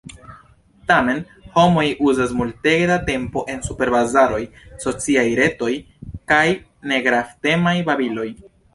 Tamen, homoj uzas multege da tempo en superbazaroj, sociaj retoj, kaj negravtemaj babiloj.